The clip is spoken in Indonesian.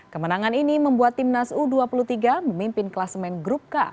kemenangan ini membuat tim nasional indonesia u dua puluh tiga memimpin kelas men grup k